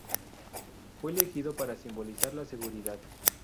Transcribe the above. Fue elegido para simbolizar la seguridad.